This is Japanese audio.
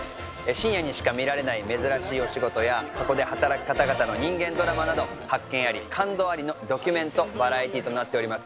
深夜にしか見られない珍しいお仕事やそこで働く方々の人間ドラマなど発見あり感動ありのドキュメントバラエティーとなっております。